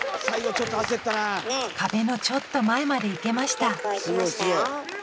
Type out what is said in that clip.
壁のちょっと前まで行けました